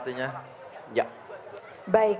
terima kasih banyak banyak